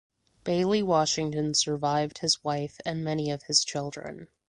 Bailey Washington survived his wife and many of his children.